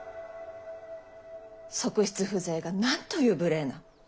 側室風情がなんという無礼な。